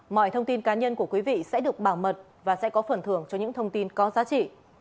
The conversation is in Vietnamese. mọi thông tin cá nhân của quý vị sẽ được bảo mật và sẽ có phần thưởng cho những thông tin có giá trị